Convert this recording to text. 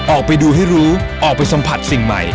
ออกไปดูให้รู้ออกไปสัมผัสสิ่งใหม่